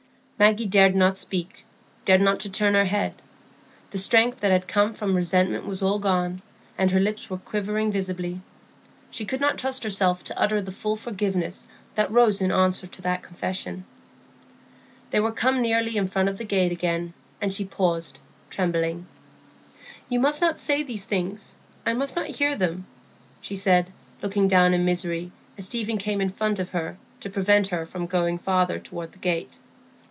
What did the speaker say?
Maggie dared not speak, dared not turn her head. The strength that had come from resentment was all gone, and her lips were quivering visibly. She could not trust herself to utter the full forgiveness that rose in answer to that confession. They were come nearly in front of the gate again, and she paused, trembling. "You must not say these things; I must not hear them," she said, looking down in misery, as Stephen came in front of her, to prevent her from going farther toward the gate.